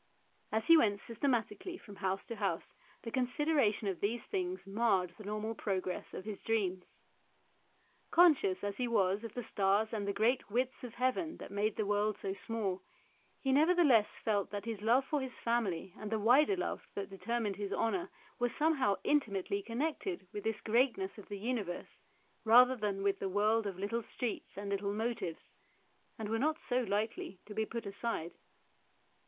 As he went systematically from house to house the consideration of these things marred the normal progress of his dreams. Conscious as he was of the stars and the great widths of heaven that made the world so small, he nevertheless felt that his love for his family and the wider love that deter mined his honour were somehow intimately connected with this greatness of the universe rather than with the world of little streets and little motives, and so were not lightly to be put aside.